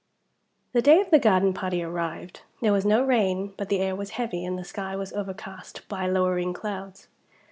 THE day of the garden party arrived. There was no rain; but the air was heavy, and the sky was overcast by lowering clouds.